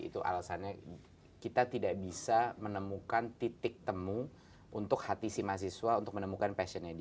itu alasannya kita tidak bisa menemukan titik temu untuk hati si mahasiswa untuk menemukan passionnya dia